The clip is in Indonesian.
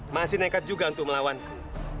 masih nekat juga untuk melawanku